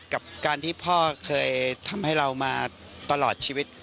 กับการที่พ่อเคยทำให้เรามาตลอดชีวิต